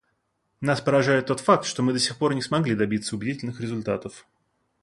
Нас поражает тот факт, что мы до сих пор не смогли добиться убедительных результатов.